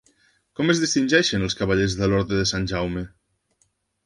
Com es distingeixen els cavallers de l'Orde de Sant Jaume?